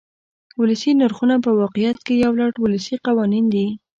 ولسي نرخونه په واقعیت کې یو لړ ولسي قوانین دي.